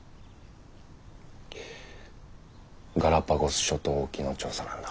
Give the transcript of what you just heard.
ガラパゴス諸島沖の調査なんだ。